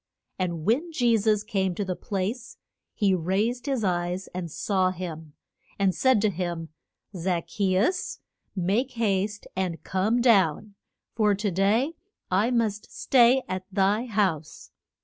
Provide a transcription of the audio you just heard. And when Je sus came to the place he raised his eyes and saw him, and said to him, Zac che us, make haste and come down, for to day I must stay at thy house.